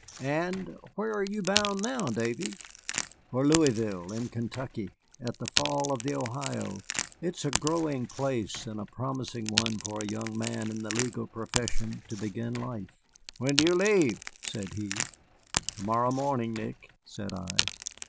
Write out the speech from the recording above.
And where are you bound now, Davy?" "For Louisville, in Kentucky, at the Falls of the Ohio. It is a growing place, and a promising one for a young man in the legal profession to begin life." "When do you leave?" said he. "To morrow morning, Nick," said I.